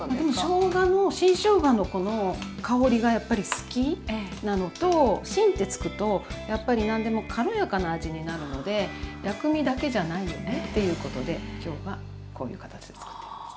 しょうがの新しょうがのこの香りがやっぱり好きなのと「新」ってつくとやっぱり何でも軽やかな味になるので薬味だけじゃないよねっていうことで今日はこういう形で作ってます。